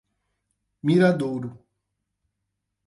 Miradouro